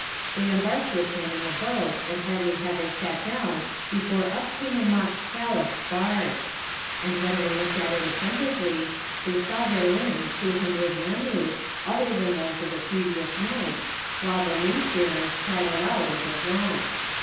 They embarked with him in the boat and hardly had they sat down before up came the mock Caliph's barge; and, when they looked at it attentively, they saw therein two hundred Mamelukes other than those of the previous night, while the link bearers cried aloud as of wont.